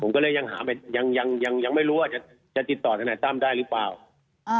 ผมก็เลยยังหาไปยังยังยังไม่รู้ว่าจะจะติดต่อทนายตั้มได้หรือเปล่าอ่า